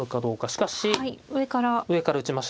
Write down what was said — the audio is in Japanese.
しかし上から打ちましたね。